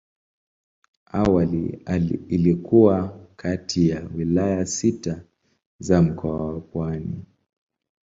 Awali ilikuwa kati ya wilaya sita za Mkoa wa Pwani.